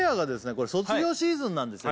これ卒業シーズンなんですよ